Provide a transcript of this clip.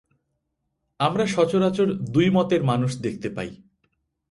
আমরা সচরাচর দুই মতের মানুষ দেখিতে পাই।